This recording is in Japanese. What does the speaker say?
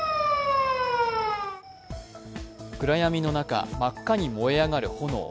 暗闇の中、真っ赤に燃え上がる炎。